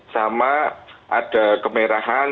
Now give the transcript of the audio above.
sama ada kemerahan